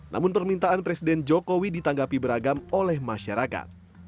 namun permintaan presiden jokowi ditanggapi beragam oleh masyarakat